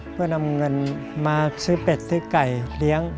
เพื่อนำเงินมาซื้อเป็ดซื้อไก่เลี้ยง